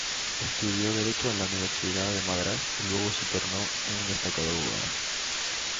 Estudió Derecho en la Universidad de Madrás y luego se tornó un destacado abogado.